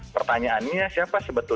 pertanyaannya siapa sebetulnya